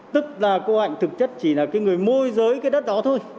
tức là cô hạnh thực chất chỉ là cái người môi giới cái đất đó thôi